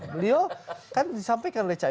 beliau kan disampaikan oleh